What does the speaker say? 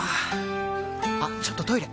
あっちょっとトイレ！